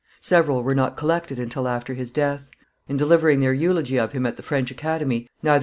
Several were not collected until after his death. In delivering their eulogy of him at the French Academy, neither M.